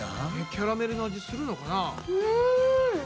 キャラメルの味するのかな？